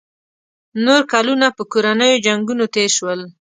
نور کلونه په کورنیو جنګونو تېر شول.